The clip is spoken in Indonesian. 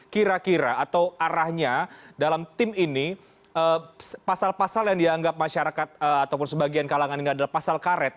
kira kira atau arahnya dalam tim ini pasal pasal yang dianggap masyarakat ataupun sebagian kalangan ini adalah pasal karet